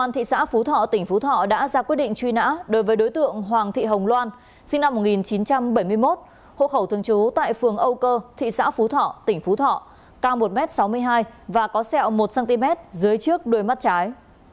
thị xã phú thọ tỉnh phú thọ đã ra quyết định truy nã đối với đối tượng hoàng thị hồng loan sinh năm một nghìn chín trăm bảy mươi một hô khẩu thương chú tại phường âu cơ thị xã phú thọ tỉnh phú thọ ca một m sáu mươi hai và có xẹo một cm dưới trước đôi mắt trái